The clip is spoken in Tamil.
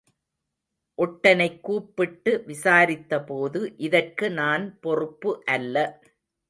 ஒட்டனைக் கூப்பிட்டு விசாரித்தபோது, இதற்கு நான் பொறுப்பு அல்ல.